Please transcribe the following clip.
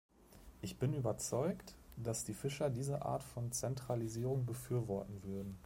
Ich bin überzeugt, dass die Fischer diese Art von Zentralisierung befürworten würden.